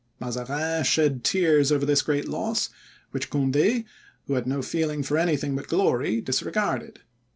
Mazarin shed tears over this great loss, which Conde, who had no feeling for anything but glory, disregarded.